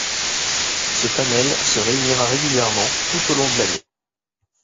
Ce panel se réunira régulièrement tout au long de l'année.